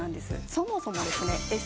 そもそもですね